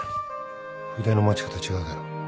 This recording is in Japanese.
筆の持ち方違うだろ